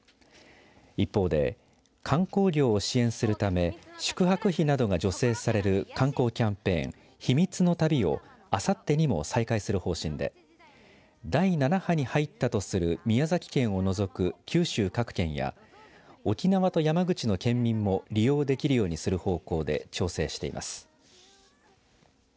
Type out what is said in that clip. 一方で観光業を支援するため宿泊費などが助成される観光キャンペーン避密の旅をあさってにも再開する方針で第７波に入ったとする宮崎県を除く、九州各県や沖縄と山口の県民も利用できるようにする方向で調整しています。